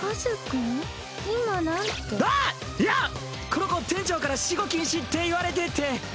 この子店長から私語禁止って言われてて。